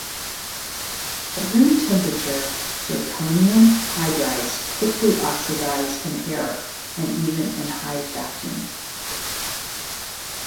At room temperature, zirconium hydrides quickly oxidize in air, and even in high vacuum.